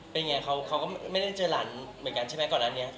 เป็นไงเขาก็ไม่ได้เจอหลานเหมือนกันใช่ไหมก่อนอันนี้